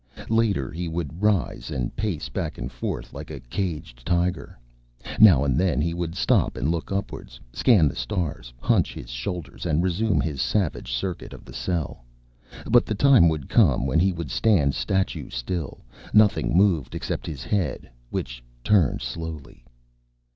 Later, he would rise and pace back and forth like a caged tiger. Now and then he would stop and look upwards, scan the stars, hunch his shoulders and resume his savage circuit of the cell. But the time would come when he would stand statue still. Nothing moved except his head, which turned slowly.